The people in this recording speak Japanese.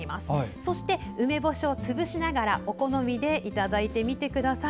そして、梅干しを潰しながらお好みでいただいてみてください。